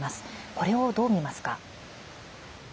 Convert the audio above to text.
これを、どうみますか？